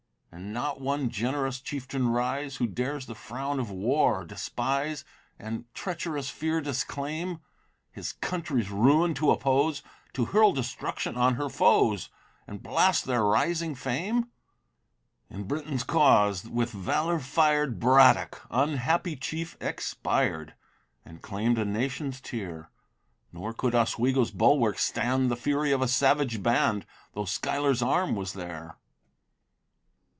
And not one generous chieftain rise (Who dares the frown of war despise, And treacherous fear disclaim) His country's ruin to oppose, To hurl destruction on her foes, And blast their rising fame? In Britain's cause, with valor fired, Braddock, unhappy chief! expired, And claim'd a nation's tear; Nor could Oswego's bulwarks stand The fury of a savage band, Though Schuyler's arm was there.